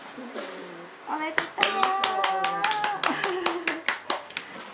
おめでとう！